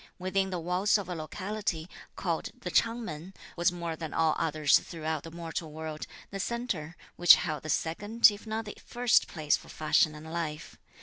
Within the walls a locality, called the Ch'ang Men, was more than all others throughout the mortal world, the centre, which held the second, if not the first place for fashion and life.